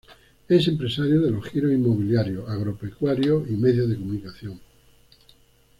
Es empresario de los giros inmobiliario, agropecuario y medios de comunicación.